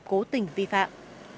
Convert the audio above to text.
cố tình vi phạm